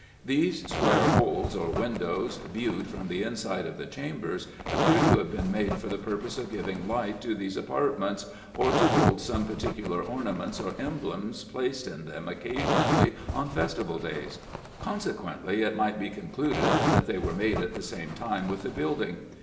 These square holes, or windows, viewed from the inside of the chambers, appear to have been made for the purpose of giving light to these apartments, or to hold some particular ornaments or emblems, placed in them occasionally on festival days ; consequently, it might be concluded that they were made at the same time with the building.